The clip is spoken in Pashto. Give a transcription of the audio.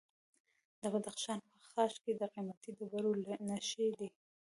د بدخشان په خاش کې د قیمتي ډبرو نښې دي.